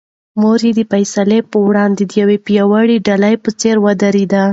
مور یې د فیصل په وړاندې د یوې پیاوړې ډال په څېر ودرېده.